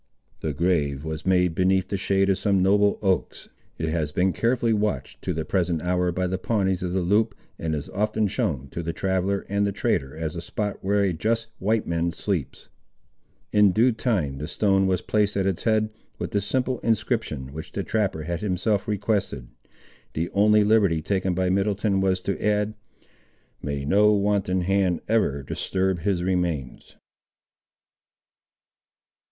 The grave was made beneath the shade of some noble oaks. It has been carefully watched to the present hour by the Pawnees of the Loup, and is often shown to the traveller and the trader as a spot where a just Whiteman sleeps. In due time the stone was placed at its head, with the simple inscription, which the trapper had himself requested. The only liberty, taken by Middleton, was to add—"May no wanton hand ever disturb his remains!"